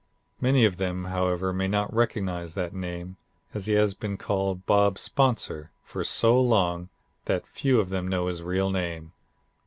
Many of them, however, may not recognize that name, as he has been called Bob 'Sponsor' for so long that few of them know his real name.